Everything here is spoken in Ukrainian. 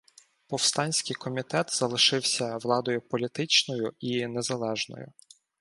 Повстанський комітет залишився "владою політичною" і незалежною.